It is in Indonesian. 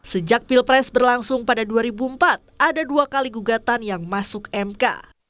sejak pilpres berlangsung pada dua ribu empat ada dua kali gugatan yang masuk mk